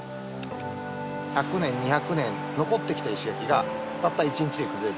１００年２００年残ってきた石垣がたった一日で崩れてしまう。